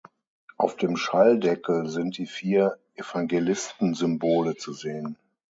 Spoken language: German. Auf dem Schalldeckel sind die vier Evangelistensymbole zu sehen.